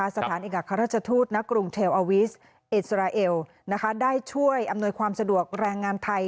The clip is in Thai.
สถานเอกอัครราชทูตณกรุงเทลอาวิสอิสราเอลได้ช่วยอำนวยความสะดวกแรงงานไทย